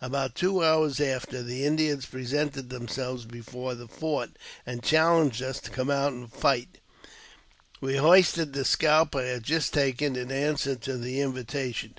About two hours after, the Indians presented them selves before the fort, and challenged us to come out and fight. ^1 236 AUTOBIOGRAPHY OF We hoisted the scalp I had just taken in answer to the invitation.